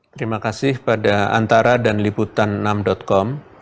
terima kasih pada antara dan liputanenam com